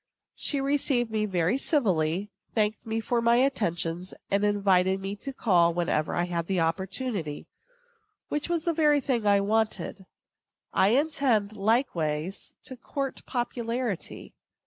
She received me very civilly, thanked me for my attention, and invited me to call whenever I had opportunity; which was the very thing I wanted. I intend, likewise, to court popularity.